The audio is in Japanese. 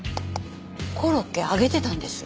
コロッケ揚げてたんです。